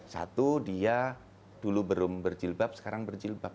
satu dia dulu belum berjilbab sekarang berjilbab